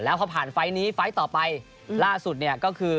แล้วพอผ่านไฟล์นี้ไฟล์ต่อไปล่าสุดเนี่ยก็คือ